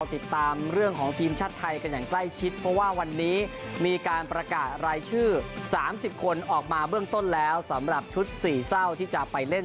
ติดตามเรื่องของทีมชาติไทยกันอย่างใกล้ชิดเพราะว่าวันนี้มีการประกาศรายชื่อ๓๐คนออกมาเบื้องต้นแล้วสำหรับชุดสี่เศร้าที่จะไปเล่น